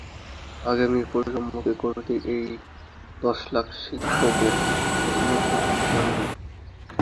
আগামী প্রজন্মকে গড়তে এই দশ লাখ শিক্ষকের মজবুত ভিত্তি জরুরি।